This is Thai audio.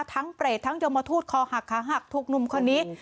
ทั้งเปรตทั้งยมทูตคอหักขาหักถูกหนุ่มคนนี้